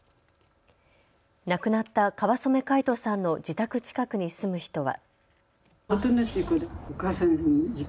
亡くなった川染凱仁さんの自宅近くに住む人は。